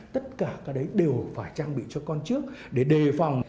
tất cả cái đấy đều phải trang bị cho con trước để đề phòng